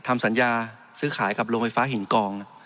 ทำสัญญาซื้อขายกับโรงไฟฟ้าหินกอง